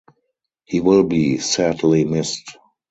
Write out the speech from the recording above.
He will be sadly missed.